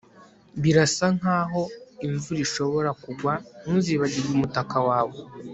Birasa nkaho imvura ishobora kugwa ntuzibagirwe umutaka wawe